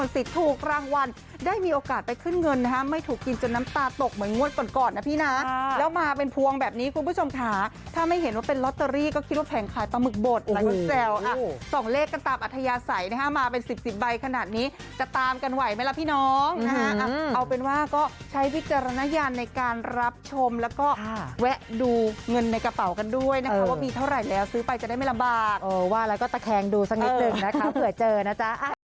ส่องเลขกันตามอัธยาศัยนะครับมาเป็นสิบใบขนาดนี้จะตามกันไหวไหมล่ะพี่น้องนะครับเอาเป็นว่าก็ใช้วิจารณญาณในการรับชมแล้วก็แวะดูเงินในกระเป๋ากันด้วยนะครับว่ามีเท่าไหร่แล้วซื้อไปจะได้ไม่ลำบากว่าแล้วก็ตะแคงดูสักนิดหนึ่งนะคะเผื่อเจอนะจ๊ะ